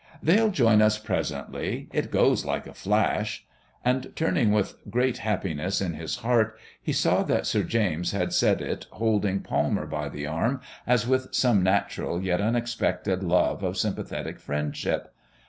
"They'll join us presently. It goes like a flash...." And, turning with great happiness in his heart, he saw that Sir James had said it, holding Palmer by the arm as with some natural yet unexpected love of sympathetic friendship.